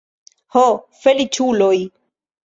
Ho, feliĉuloj!